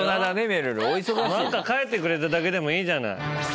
何か書いてくれただけでもいいじゃない。